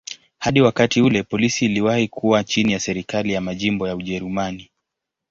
Hadi wakati ule polisi iliwahi kuwa chini ya serikali za majimbo ya Ujerumani.